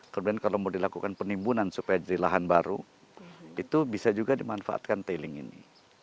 kemudian kalau mau dilakukan penimbunan supaya jadi lahan baru itu bisa juga dimanfaatkan tailing ini